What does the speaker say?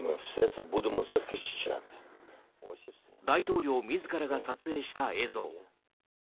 大統領自らが撮影した映像。